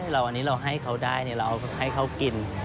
อันนี้เราให้เขาได้เราให้เขากิน